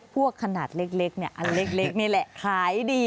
พวกขนาดเล็กนี่แหละขายดี